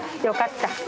よかった。